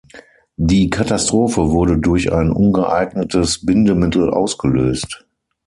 Die Katastrophe wurde durch ein ungeeignetes Bindemittel ausgelöst.